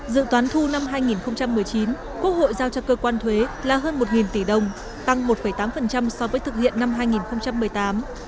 dự toán thu năm hai nghìn một mươi chín quốc hội giao cho cơ quan thuế là hơn một tỷ đồng tăng một tám so với thực hiện năm hai nghìn một mươi tám